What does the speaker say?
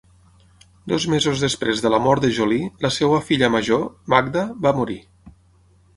Dos mesos després de la mort de Jolie, la seva filla major, Magda, va morir.